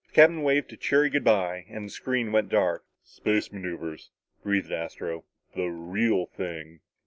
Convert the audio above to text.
The captain waved a cheery good bye and the screen went dark. "Space maneuvers," breathed Astro. "The real thing."